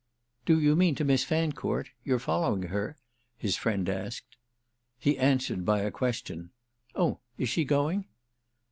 "Do you mean to Miss Fancourt? You're following her?" his friend asked. He answered by a question. "Oh is she going?"